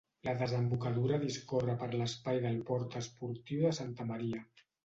La desembocadura discorre per l'espai del port esportiu de Santa Maria.